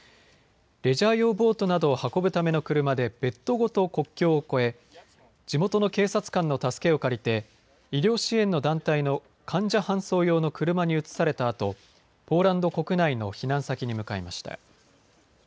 レジャー用ボートなどを運ぶための車でベッドごと国境越え地元の警察官の助けを借りて医療支援の団体の患者搬送用の車に移されたあとポーランド国内の避難先に向かいました。